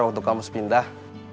waktu kamu sepindah